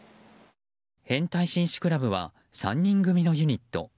変態紳士クラブは３人組のユニット。